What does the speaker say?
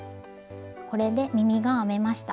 これで耳が編めました。